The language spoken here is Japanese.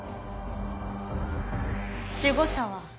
守護者は。